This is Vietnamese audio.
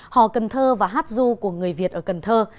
hò cần thơ và hát du của người việt ở cần thơ